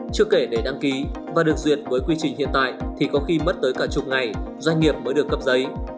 chưa kể để đăng ký và được duyệt với quy trình hiện tại thì có khi mất tới cả chục ngày doanh nghiệp mới được cấp giấy